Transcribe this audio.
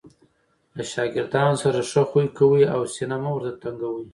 له ښاګردانو سره ښه خوي کوئ! او سینه مه ور ته تنګوئ!